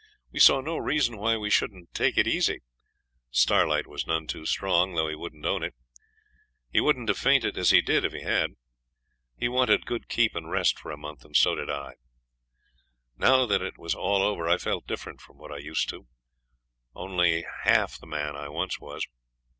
We saw no reason why we shouldn't take it easy. Starlight was none too strong, though he wouldn't own it; he wouldn't have fainted as he did if he had. He wanted good keep and rest for a month, and so did I. Now that it was all over I felt different from what I used to do, only half the man I once was.